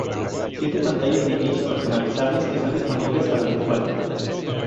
Siete pantallas de inicio personalizables están disponibles para el usuario.